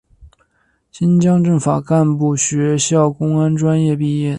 新疆政法干部学校公安专业毕业。